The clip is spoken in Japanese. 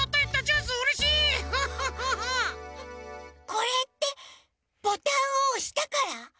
これってボタンをおしたから？